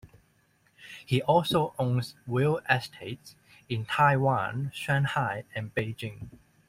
He also owns real estates in Taiwan, Shanghai, and Beijing.